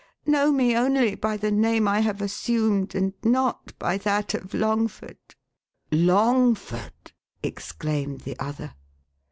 Know me only by the name I have assumed, and not by that of Longford —"" Longford !" exclaimed the other.